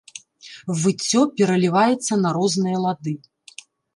Выццё пераліваецца на розныя лады.